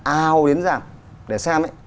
ao đến rạng để xem